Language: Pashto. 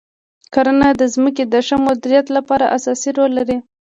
کرنه د ځمکې د ښه مدیریت لپاره اساسي رول لري.